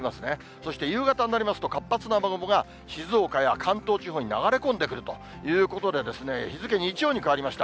そして夕方になりますと、活発な雨雲が静岡や関東地方に流れ込んでくるということで、日付、日曜に変わりました。